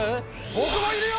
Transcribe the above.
僕もいるよ！